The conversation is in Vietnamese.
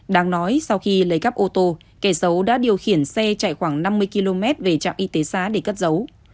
đáng nói sau khi lấy cắp ô tô kẻ xấu đã điều khiển xe chạy khoảng năm mươi km về trạm y tế xá để cất giấu